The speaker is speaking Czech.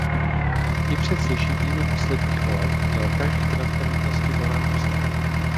I před slyšeními posledních voleb měl každý transparentnosti plná ústa.